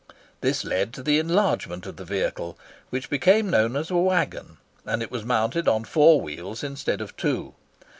This led to the enlargement of the vehicle, which became known as a waggon, and it was mounted on four wheels instead of two.